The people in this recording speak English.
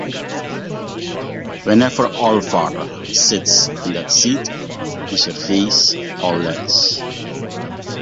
Whenever Allfather sits in that seat, he surveys all lands.